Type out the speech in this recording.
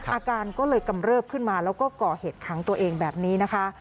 อาการก็เลยกำเริบขึ้นมาแล้วก็ก่อเหตุขังตัวเองแบบนี้นะคะ